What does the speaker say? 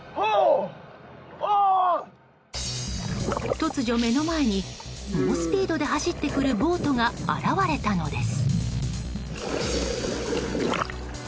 突如、目の前に猛スピードで走ってくるボートが現れたのです。